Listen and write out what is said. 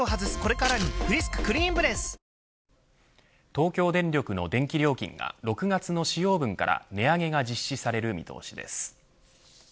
東京電力の電気料金が６月の使用分から値上げが実施される見通しです。